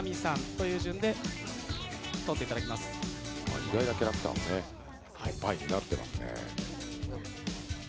意外なキャラクターもパイになってますね。